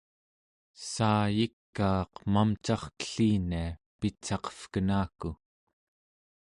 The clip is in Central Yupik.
saayikaaq mamcartellinia pitsaqevkenaku